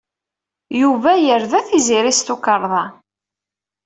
Yuba yerda Tiziri s tukerḍa.